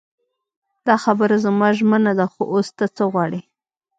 دا خبره زما ژمنه ده خو اوس ته څه غواړې.